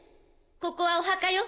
ここはお墓よ